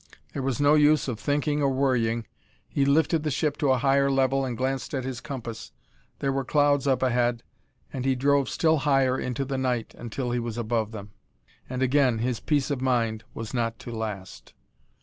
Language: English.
There was no use of thinking or worrying.... He lifted the ship to a higher level and glanced at his compass. There were clouds up ahead, and he drove still higher into the night, until he was above them. And again his peace of mind was not to last.